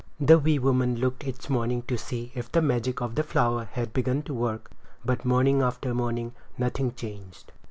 The wee woman looked each morning to see if the magic of the flower had begun to work but morning after morning nothing changed.